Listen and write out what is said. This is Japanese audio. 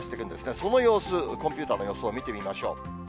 その様子、コンピューターの予想を見てみましょう。